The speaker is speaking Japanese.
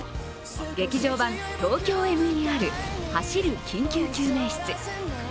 「劇場版ＴＯＫＹＯＭＥＲ走る緊急救命室」。